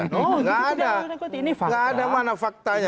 nggak ada nggak ada mana faktanya